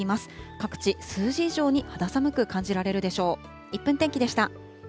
各地、数字以上に肌寒く感じられるでしょう。